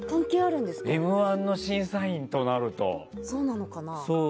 「Ｍ‐１」の審査員となると。